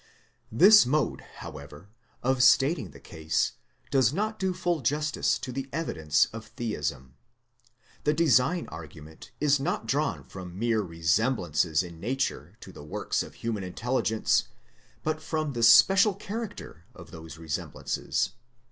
This mode, however, of stating the case does not do full justice to the evidence of Theism. The Design argument is not drawn from mere resemblances in Nature to the works of human intelligence, but from the special character of those resemblances.